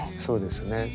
そうですね。